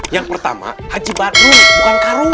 yang pertama haji badrun bukan karung